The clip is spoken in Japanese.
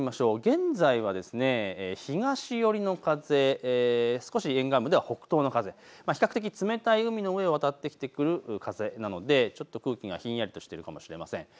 現在は東寄りの風、少し沿岸部では北東の風、比較的冷たい海の上を渡ってくる風なのでちょっと空気がひんやりとしているかもしれません。